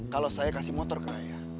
kalau saya kasih motor ke ayah